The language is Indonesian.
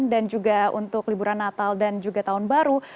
dan juga untuk liburan natal dan juga tahun baru